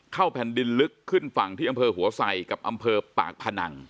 แผ่นดินลึกขึ้นฝั่งที่อำเภอหัวใส่กับอำเภอปากพนัง